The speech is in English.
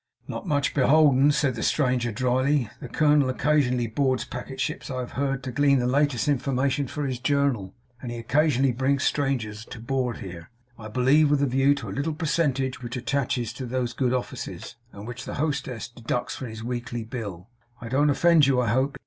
'Not much beholden,' said the stranger drily. 'The colonel occasionally boards packet ships, I have heard, to glean the latest information for his journal; and he occasionally brings strangers to board here, I believe, with a view to the little percentage which attaches to those good offices; and which the hostess deducts from his weekly bill. I don't offend you, I hope?